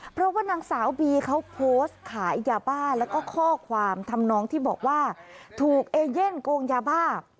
เพราะว่านางสาวบีเขาโพสต์ขายยาบ้าแล้วก็ข้อความทำนองที่บอกว่าถูกเอเย่นโกงยาบ้า